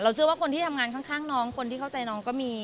เชื่อว่าคนที่ทำงานข้างน้องคนที่เข้าใจน้องก็มี